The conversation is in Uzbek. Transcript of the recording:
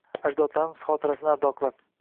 Ajdodlarimiz xotirasini ardoqlab